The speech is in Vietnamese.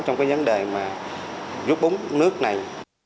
trong vấn đề giúp búng nước này